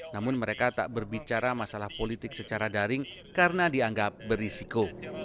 namun mereka tak berbicara masalah politik secara daring karena dianggap berisiko